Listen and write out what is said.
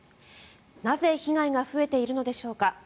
なぜ、被害が増えているのでしょうか。